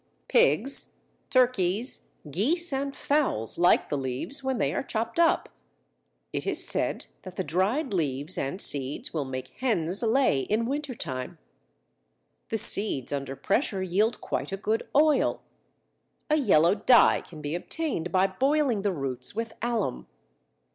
Pigs, turkeys, geese, and fowls like the leaves when they are chopped up. It is said that the dried leaves and seeds will make hens lay in winter time. The seeds, under pressure, yield quite a good oil. A yellow dye can be obtained by boiling the roots with alum.